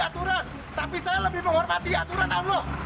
saya menghormati aturan tapi saya lebih menghormati aturan allah